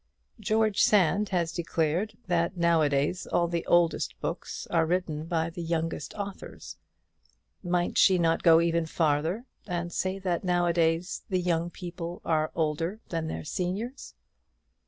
George Sand has declared that nowadays all the oldest books are written by the youngest authors; might she not go even farther, and say that nowadays the young people are older than their seniors?